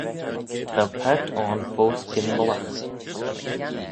Dy vel paart ayn foast gyn mullagh.